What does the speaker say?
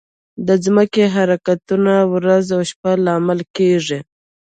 د ځمکې حرکتونه د ورځ او شپه لامل کېږي.